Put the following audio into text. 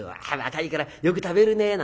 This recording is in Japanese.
「若いからよく食べるね」